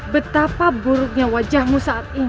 betapa buruknya wajahmu saat ini